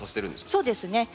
そうですね。